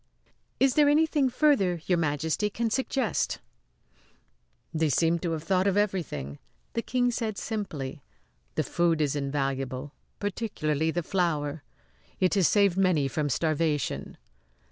"Is there anything further Your Majesty can suggest?" "They seem to have thought of everything," the King said simply. "The food is invaluable particularly the flour. It has saved many from starvation."